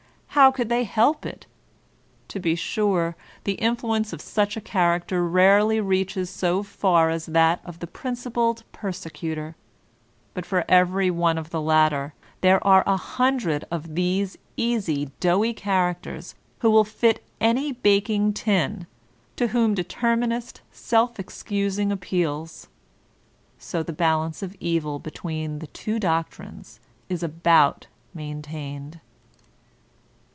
how could they help it ! To be sure, the influence of such a character rarely reaches so far as that of the principled persecutor; but for every one of the latter, there are a hundred of these easy, doughy characters, who will fit any baking tin, to whom deter minist self excusing appeals; so the balance of evil be tween the two doctrines is about maintained.